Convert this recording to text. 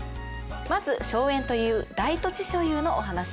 まず荘園という大土地所有のお話。